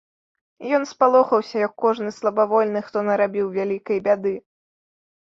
Ён спалохаўся, як кожны слабавольны, хто нарабіў вялікай бяды.